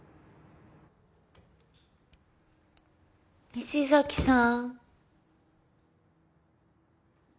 西崎さん。